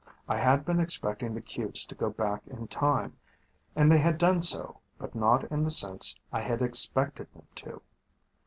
I had been expecting the cubes to go back in time, and they had done so, but not in the sense I had expected them to.